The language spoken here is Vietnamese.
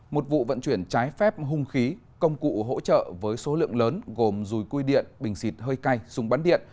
một vụ vận chuyển trái phép hung khí công cụ hỗ trợ với số lượng lớn gồm rùi cui điện bình xịt hơi cay súng bắn điện